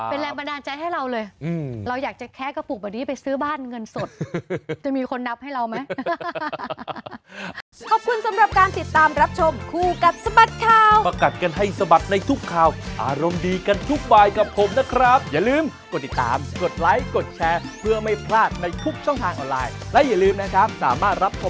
เป็นแรงบันดาลใจให้เราเลยเราอยากจะแคะกระปุกแบบนี้ไปซื้อบ้านเงินสดจะมีคนนับให้เราไหม